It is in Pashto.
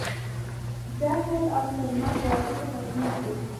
دهل او سرنا په واده کې غږیږي؟